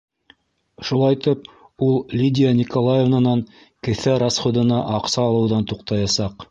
Шулайтып, ул Лидия Николаевнанан «кеҫә расходы»на аҡса алыуҙан туҡтаясаҡ.